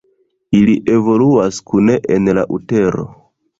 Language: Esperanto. Ili evoluas kune en la utero.